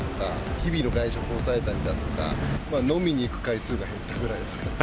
日々の外食を抑えたりだとか、飲みに行く回数が減ったぐらいですか。